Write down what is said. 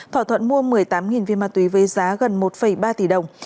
thỏa thuận mua một mươi tám viên ma túy với giá gần một ba tỷ đồng